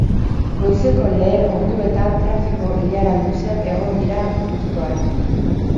Goizeko lehen orduetan trafiko ilara luzeak egon dira Gipuzkoan.